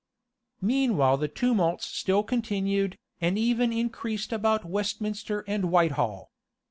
[*] Meanwhile the tumults still continued, and even increased about Westminster and Whitehall.